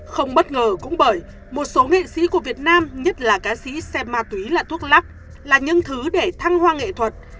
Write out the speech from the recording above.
không bất ngờ cũng bởi một số nghệ sĩ của việt nam nhất là ca sĩ xem ma túy là thuốc lắc là những thứ để thăng hoa nghệ thuật